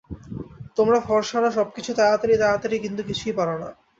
তোমরা ফর্সারা সবকিছু তাড়াতাড়ি, তাড়াতাড়ি কিন্তু কিছুই পার না।